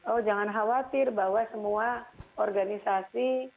oh jangan khawatir bahwa semua organisasi